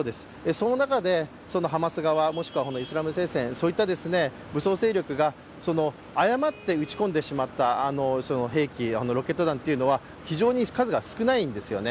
その中でハマス側、もしくはイスラム聖戦、そういった武装勢力が誤って撃ち込んでしまった兵器、ロケット弾というのは非常に数が少ないんですよね。